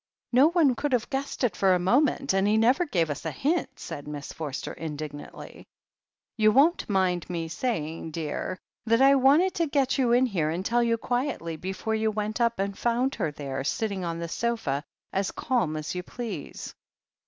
"No one could have guessed it for a moment, and he never gave us a hint," said Miss Forster indignantly. "You won't mind me saying, dear, that I wanted to get you in here and tell you quietly before you went up and fotmd her there, sitting on the sofa as cabn as you please."